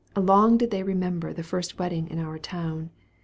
Long did they remember the first wedding in our town.